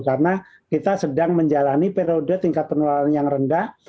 karena kita sedang menjalani periode tingkat penularan yang rendah